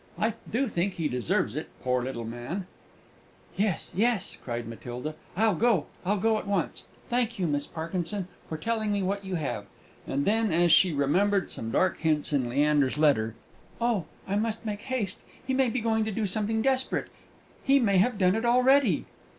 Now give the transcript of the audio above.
I do think he deserves it, poor little man!" "Yes, yes!" cried Matilda; "I'll go I'll go at once! Thank you, Miss Parkinson, for telling me what you have!" And then, as she remembered some dark hints in Leander's letter: "Oh, I must make haste! He may be going to do something desperate he may have done it already!"